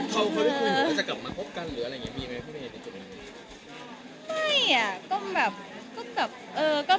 เค้าว่าคุณอาจจะมาเกิดกันเมตรกันเนี่ยไง